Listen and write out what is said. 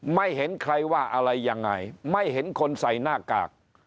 ไม่เห็นใครว่าอะไรยังไงไม่เห็นคนใส่หน้ากาก